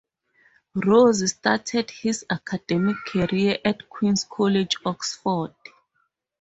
Rose started his academic career at Queen's College, Oxford.